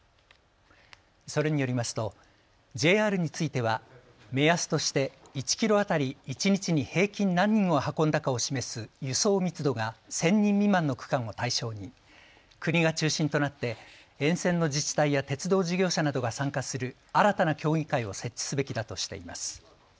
それによりますとＪＲについては目安として１キロ当たり一日に平均何人を運んだかを示す輸送密度が１０００人未満の区間を対象に国が中心となって沿線の自治体や鉄道事業者などが参加する新たな協議会を設置すべきだとしています。